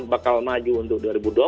bakal maju untuk dua ribu dua puluh